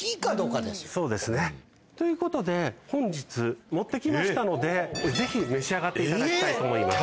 そうですね。ということで本日持って来ましたのでぜひ召し上がっていただきたいと思います。